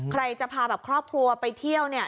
ใครจะพาแบบครอบครัวไปเที่ยวเนี่ย